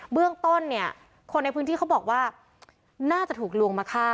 เบื้องต้นเนี่ยคนในพื้นที่เขาบอกว่าน่าจะถูกลวงมาฆ่า